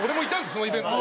そのイベントに。